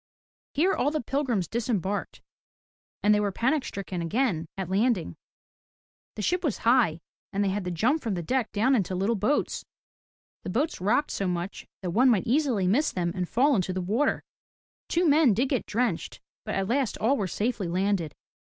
Here, all the pilgrims disembarked, and they were panic stricken again at landing. The ship was high, and they had to jump from the deck down into little boats. The boats rocked so much that one might easily miss them and fall into the water. Two men did get drenched, but at last all were safely landed.